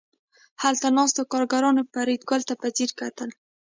هلته ناستو کارګرانو فریدګل ته په ځیر کتل